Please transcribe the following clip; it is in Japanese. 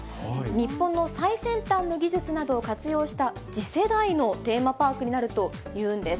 日本の最先端の技術などを活用した次世代のテーマパークになるというんです。